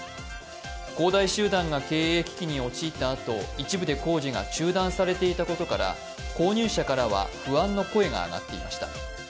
恒大集団が経営危機に陥ったあと一部で工事が中断されていたことから購入者からは不安の声が上がっていました。